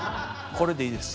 これでいいです。